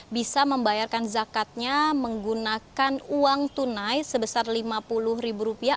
bisa membayarkan zakatnya menggunakan uang tunai sebesar lima puluh ribu rupiah